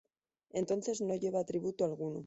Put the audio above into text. Entonces no lleva atributo alguno.